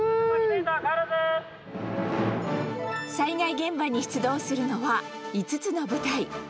災害現場に出動するのは、５つの部隊。